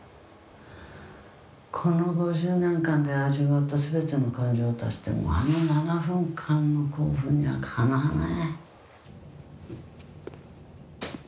「この５０年間で味わった全ての感情を足してもあの７分間の興奮にはかなわない」